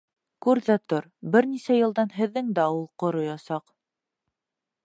Күр ҙә тор, бер нисә йылдан һеҙҙең ауыл да ҡороясаҡ.